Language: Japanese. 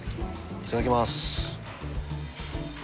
いただきます。